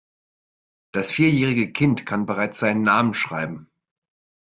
Das vierjährige Kind kann bereits seinen Namen schreiben.